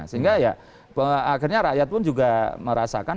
sehingga ya akhirnya rakyat pun juga merasakan